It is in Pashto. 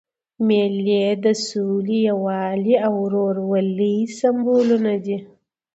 مېلې د سولي، یووالي او ورورولۍ سېمبولونه دي.